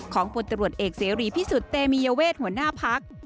ผลตรวจเอกเสรีพิสุทธิ์เตมียเวทหัวหน้าพัก